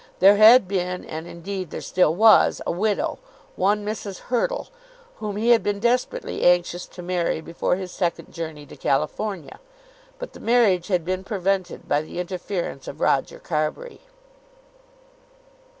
There had been, and indeed there still was, a widow, one Mrs. Hurtle, whom he had been desperately anxious to marry before his second journey to California; but the marriage had been prevented by the interference of Roger Carbury.